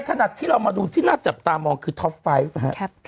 ในขณะที่เรามาดูที่น่าจะตามองคือท็อปไฟท์